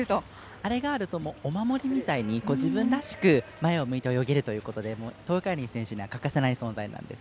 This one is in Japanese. あれがあるとお守りみたいに自分らしく前を向いて泳げるということで東海林選手には欠かせない存在なんです。